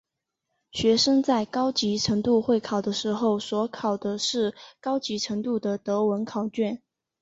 学生在高级程度会考的时候所考的是高级程度的德文考卷。